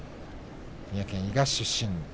三重県伊賀市出身。